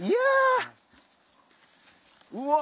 うわ！